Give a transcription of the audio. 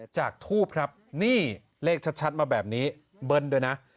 จากทูปครับนี่เลขชัดมาแบบนี้เบิ้ลด้วยนะ